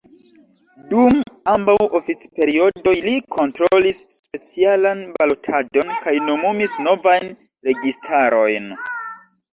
Dum ambaŭ oficperiodoj li kontrolis specialan balotadon kaj nomumis novajn registarojn.